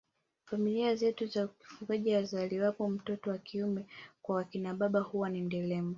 Familia zetu za kifugaji azaliwapo mtoto wa kiume kwa wakina baba huwa ni nderemo